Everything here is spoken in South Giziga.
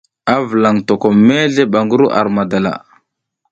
Vulaƞ tokom mezle ngi ru ar madala.